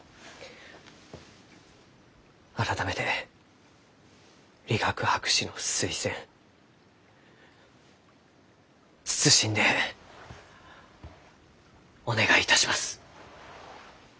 改めて理学博士の推薦謹んでお願いいたします。